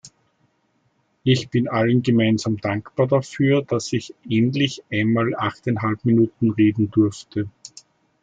Ich bin allen gemeinsam dankbar dafür, dass ich endlich einmal achteinhalb Minuten reden durfte.